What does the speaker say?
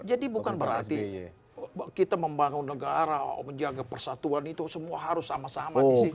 jadi bukan berarti kita membangun negara menjaga persatuan itu semua harus sama sama